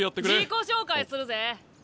自己紹介するぜ。